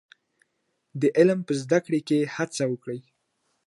د علم په زده کړه کي هڅه وکړئ.